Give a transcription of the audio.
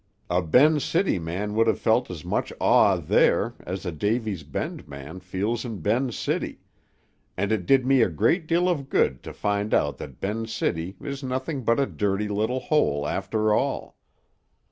A Ben's City man would have felt as much awe there as a Davy's Bend man feels in Ben's City, and it did me a great deal of good to find out that Ben's City is nothing but a dirty little hole after all.